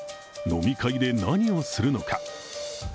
飲み会で何をするのか。